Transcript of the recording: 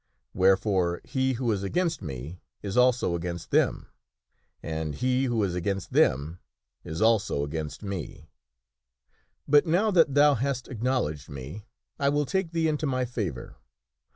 Wherefore, he who is against me is also against them, and he who is against them is also against me. But now KING ARTHUR RIDES THROUGH THE FOREST 73 that thou hast acknowledged me I will take thee into my favor.